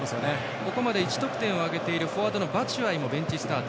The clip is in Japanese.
ここまで１得点を挙げているフォワードのバチュアイもベンチスタート。